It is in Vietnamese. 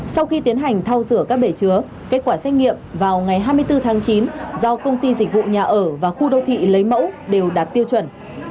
sau khi tiến hành thao rửa các bể chứa kết quả xét nghiệm vào ngày hai mươi bốn tháng chín do công ty dịch vụ nhà ở và khu đô thị lấy mẫu đều đạt tiêu chuẩn